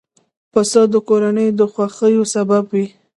پسه د کورنیو د خوښیو سبب وي.